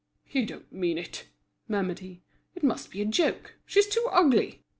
"You don't mean it," murmured he; "it must be a joke, she's too ugly!"